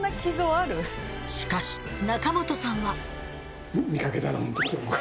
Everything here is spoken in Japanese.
しかし中元さんは。